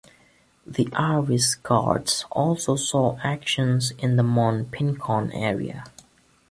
The Irish Guards also saw action in the Mont Pincon area.